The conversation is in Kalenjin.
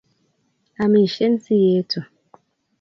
amishe sietu